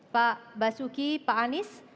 pak basuki pak anies